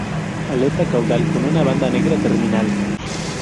Aleta caudal con una banda negra terminal.